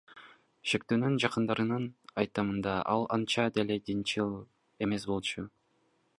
Шектүүнүн жакындарынын айтымында, ал анча деле динчил эмес болчу.